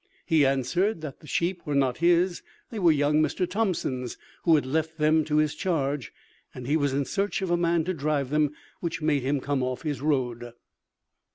He answered, that the sheep were not his they were young Mr. Thomson's, who had left them to his charge, and he was in search of a man to drive them, which made him come off his road.